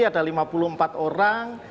ada lima puluh empat orang